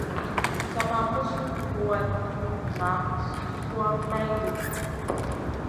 Sa ma mus ruwatn ŋa suan mayɗi.